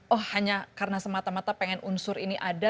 oh hanya karena semata mata pengen unsur ini ada